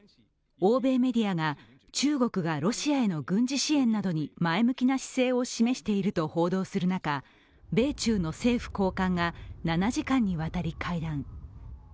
欧米メディアが、中国がロシアへの軍事支援などに前向きな姿勢を示していると報道する中、米中の政府高官が７時間にわたり会談。